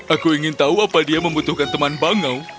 aku ingin tahu apa dia membutuhkan teman bangau